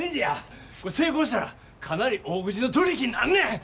成功したらかなり大口の取り引きになんねん。